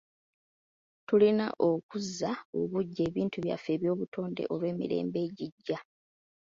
Tulina okuzza obuggya ebintu byaffe eby'obutonde olw'emirembe egijja.